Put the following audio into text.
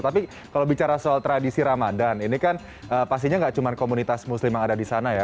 tapi kalau bicara soal tradisi ramadan ini kan pastinya nggak cuma komunitas muslim yang ada di sana ya